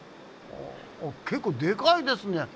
結構でかいですね！